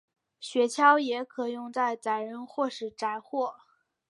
雪橇也可用在载人或是载货。